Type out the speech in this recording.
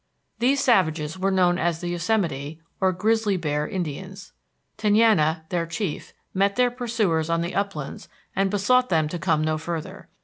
These savages were known as the Yosemite or Grizzly Bear Indians. Tenaya, their chief, met their pursuers on the uplands and besought them to come no further.